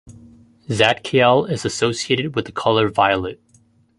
Zadkiel is associated with the color violet.